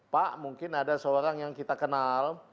pak mungkin ada seorang yang kita kenal